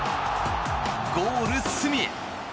ゴール隅へ。